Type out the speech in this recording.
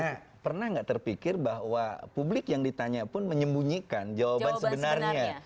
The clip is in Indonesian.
karena tidak terpikir bahwa publik yang ditanya pun menyembunyikan jawaban sebenarnya